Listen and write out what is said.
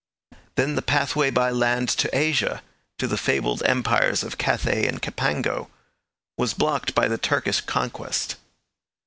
Then the pathway by land to Asia, to the fabled empires of Cathay and Cipango, was blocked by the Turkish conquest.